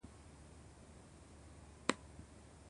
Sometimes it is caused by use of anabolic steroids.